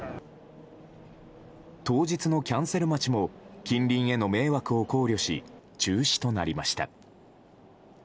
当日のキャンセル待ちも近隣への迷惑を考慮し中止となりました。